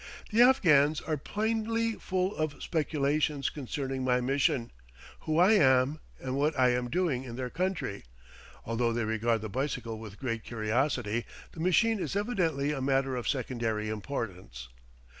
The Afghans are plainly full of speculations concerning my mission, who I am, and what I am doing in their country; although they regard the bicycle with great curiosity, the machine is evidently a matter of secondary importance.